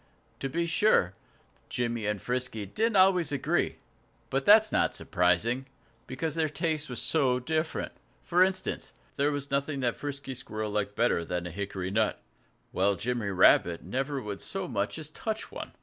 To be sure, Jimmy and Frisky did not always agree but that is not surprising, because their tastes were so different. For instance, there was nothing that Frisky Squirrel liked better than a hickory nut, while Jimmy Rabbit never would so much as touch one.